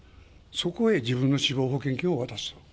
そこへ自分の死亡保険金を渡す。